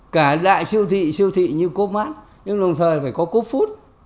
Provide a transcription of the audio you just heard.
cả đại siêu thị siêu thị như côp mát nhưng đồng thời phải có côp food